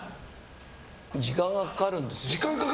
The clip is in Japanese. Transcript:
時間がかかるんです。